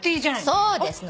そうです。